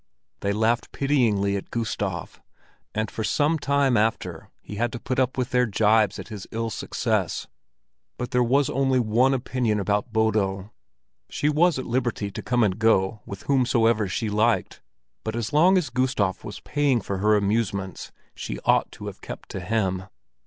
They laughed pityingly at Gustav, and for some time after he had to put up with their gibes at his ill success; but there was only one opinion about Bodil. She was at liberty to come and go with whomsoever she liked, but as long as Gustav was paying for her amusements, she ought to have kept to him.